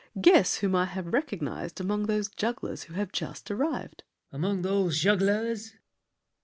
Guess whom I have recognized Among those jugglers who have just arrived. LAFFEMAS. Among those jugglers?